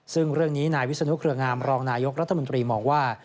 ซึ่งเรื่องนี้นายวิศนุเครืองามรองนายกรัฐมนตรีมองว่า